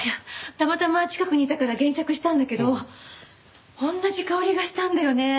たまたま近くにいたから現着したんだけど同じ香りがしたんだよね